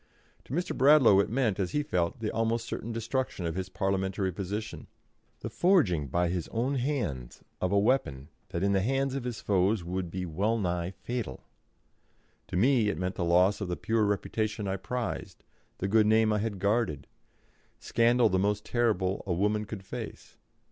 To Mr. Bradlaugh it meant, as he felt, the almost certain destruction of his Parliamentary position, the forging by his own hands of a weapon that in the hands of his foes would be well nigh fatal. To me it meant the loss of the pure reputation I prized, the good name I had guarded scandal the most terrible a woman could face.